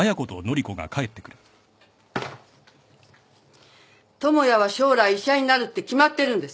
智也は将来医者になるって決まってるんです。